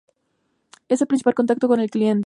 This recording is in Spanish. Es el principal contacto con el cliente.